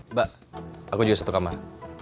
mbak aku juga satu kamar